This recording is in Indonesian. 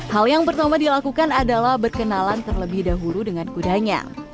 hal yang pertama dilakukan adalah berkenalan terlebih dahulu dengan kudanya